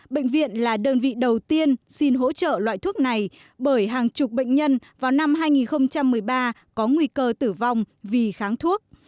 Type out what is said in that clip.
bệnh viện là đơn vị đầu tiên xin hỗ trợ loại thuốc này bởi hàng chục bệnh nhân vào năm hai nghìn một mươi ba có nguy cơ tử vong vì kháng thuốc